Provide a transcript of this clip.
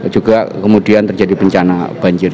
juga kemudian terjadi bencana banjir